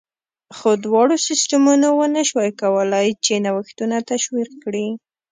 خو دواړو سیستمونو ونه شوای کولای چې نوښتونه تشویق کړي